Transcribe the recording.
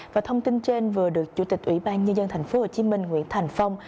và thông tin trên vừa được chủ tịch ủy ban nhân dân tp hcm nguyễn thành phong